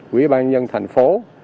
quỹ ban nhân thành phố